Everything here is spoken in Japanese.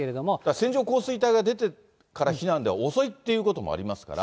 線状降水帯が出てから避難では遅いということもありますから。